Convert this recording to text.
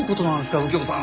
右京さん。